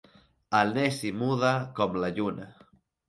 El neci muda com la lluna.